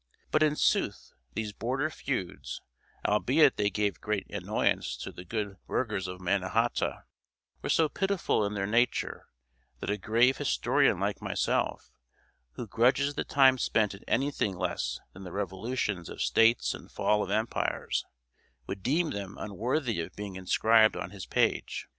But, in sooth, these border feuds, albeit they gave great annoyance to the good burghers of Mannahata, were so pitiful in their nature, that a grave historian like myself, who grudges the time spent in anything less than the revolutions of states and fall of empires, would deem them unworthy of being inscribed on his page.